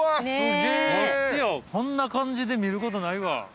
こんな感じで見ることないわ。